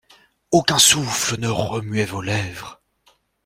Aucun souffle ne remuait vos lèvres.